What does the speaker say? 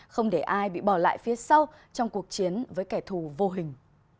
không để ai bị bỏ lại phía sau trong cuộc chiến với kẻ thù vô hình